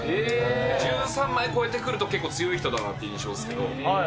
１３枚超えてくると、結構強い人だなという印象ですけど。